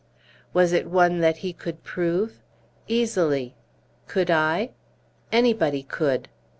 "Was it one that he could prove?" "Easily." "Could I?" "Anybody could."